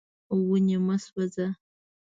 ونې مه سوځوه.